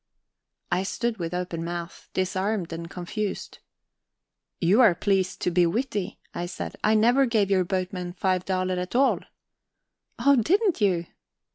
I stood with open mouth, disarmed and confused. "You are pleased to be witty," I said. "I never gave your boatman five daler at all." "Oh, didn't you?"